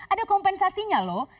ada kompensasinya loh